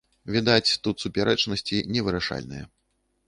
Відаць, тут супярэчнасці невырашальныя.